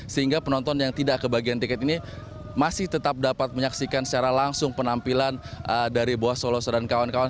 sehingga penonton yang tidak kebagian tiket ini masih tetap dapat menyaksikan secara langsung penampilan dari boa soloso dan kawan kawan